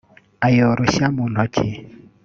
ayoroshya mu ntoki